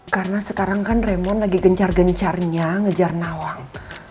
karena sekarang kan raymond lagi gencar gencarnya ngejar nawang